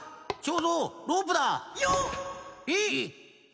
えっ⁉